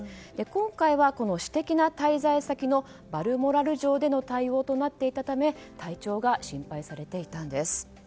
今回は私的な滞在先のバルモラル城での対応となっていたため体調が心配されていたんです。